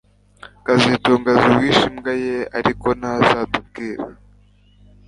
kazitunga azi uwishe imbwa ye ariko ntazatubwira